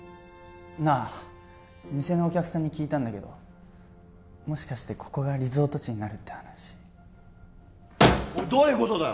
なあ店のお客さんに聞いたんだけどもしかしてここがリゾート地になるって話おいっどういうことだよ？